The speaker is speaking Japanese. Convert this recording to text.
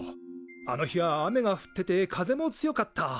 あの日は雨が降ってて風も強かった。